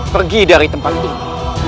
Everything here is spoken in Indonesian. pergi dari tempat ini